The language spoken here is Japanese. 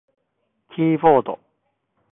キーボード